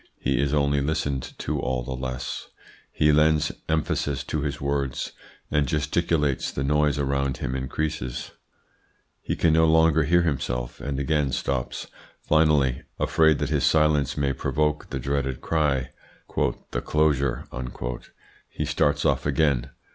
He is only listened to all the less. He lends emphasis to his words, and gesticulates: the noise around him increases. He can no longer hear himself, and again stops; finally, afraid that his silence may provoke the dreaded cry, `The Closure!' he starts off again.